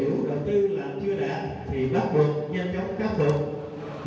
nếu những đầu tư làm chưa đạt thì bắt buộc nhanh chóng khắc phục